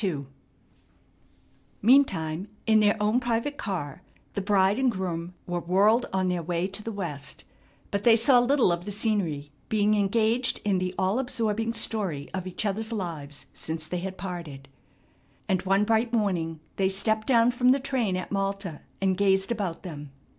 _" Meantime in their own private car the bride and groom were whirled on their way to the west, but they saw little of the scenery, being engaged in the all absorbing story of each other's lives since they had parted. And one bright morning, they stepped down from the train at Malta and gazed about them.